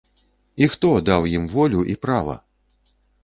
І хто даў ім волю і права?!